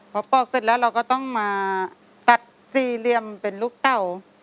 พอปอกเสร็จแล้วเราก็ต้องมาตัดสี่เหลี่ยมเป็นลูกเต่า